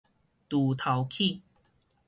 鋤頭齒